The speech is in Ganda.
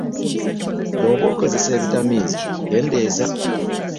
Bw'oba okozesa ebitamiiza keendeeza.